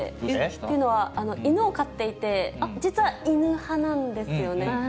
というのは、犬飼っていて、実は犬派なんですよね。